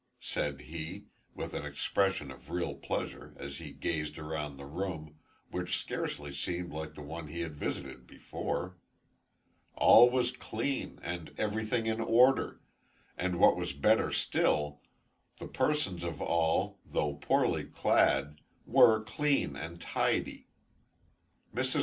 said he, with an expression of real pleasure, as he gazed around the room, which scarcely seemed like the one he had visited before. All was clean, and everything in order; and, what was better still, the persons of all, though poorly clad, were clean and tidy. Mrs.